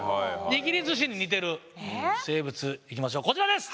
握りずしに似てる生物いきましょうこちらです！